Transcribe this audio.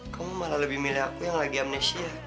kamu malah lebih milih aku yang lagi amnesia